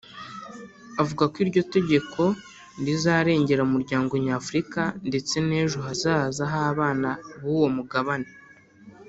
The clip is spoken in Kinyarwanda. Avuga ko iryo tegeko rizarengera umuryango nyafurika ndetse n’ejo hazaza h’abana b’uwo mugabane